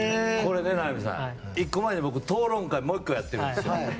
名波さん１個前に僕、討論会をもう１個やってるんですよ。